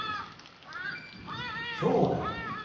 「きょうだい」。